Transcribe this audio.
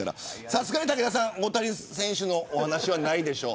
さすがに武田さん大谷選手の話はないでしょ。